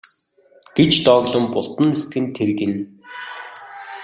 гэж дооглон бултан нисдэг нь тэр гэнэ.